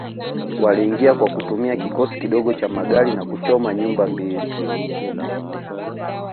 Waliingia kwa kutumia kikosi kidogo cha magari na kuchoma nyumba mbili